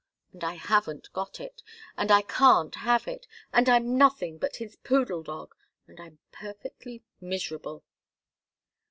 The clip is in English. And I haven't got it, and I can't have it; and I'm nothing but his poodle dog, and I'm perfectly miserable!"